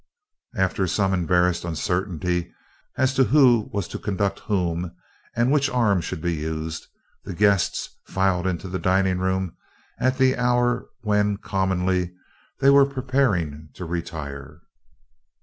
After some embarrassed uncertainty as to who was to conduct whom, and which arm should be used, the guests filed into the dining room at an hour when, commonly, they were preparing to retire.